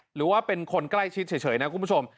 หรือว่าเป็นคนใกล้ชิดเฉยนะคุณผู้ชม